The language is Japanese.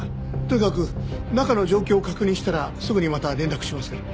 とにかく中の状況を確認したらすぐにまた連絡しますから。